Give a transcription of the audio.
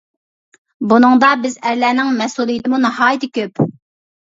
بۇنىڭدا بىز ئەرلەرنىڭ مەسئۇلىيىتىمۇ ناھايىتى كۆپ.